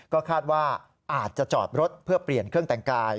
ก็คาดว่าอาจจะจอดรถเพื่อเปลี่ยนเครื่องแต่งกาย